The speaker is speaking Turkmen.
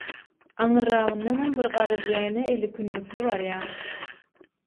aňyrragyndanam bir garryja ene eli kündükli barýar.